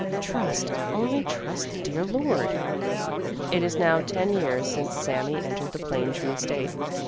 Trust! Only trust the dear Lord!" It is now ten years since Sami entered the plane tree estate.